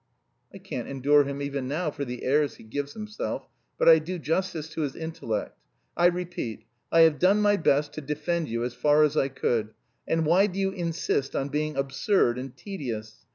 "I can't endure him even now for the airs he gives himself. But I do justice to his intellect. I repeat, I have done my best to defend you as far as I could. And why do you insist on being absurd and tedious?